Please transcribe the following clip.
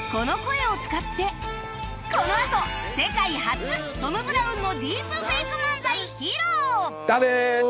このあと世界初トム・ブラウンのディープフェイク漫才披露！